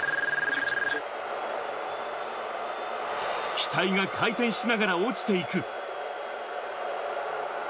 機体が回転しながら落ちていく。